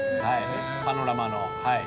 パノラマのはい。